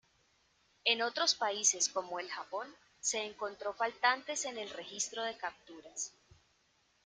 En otros países como el Japón se encontró faltantes en el registro de capturas.